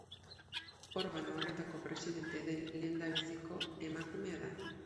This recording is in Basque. Organo horretako presidente den lehendabiziko emakumea da.